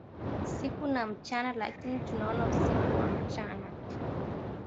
siku na mchana lakini tunaona usiku wa mchana